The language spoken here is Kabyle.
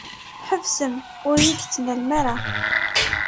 Ḥebsem ur yi-d-ttnalem ara.